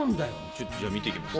ちょっとじゃ見てきます。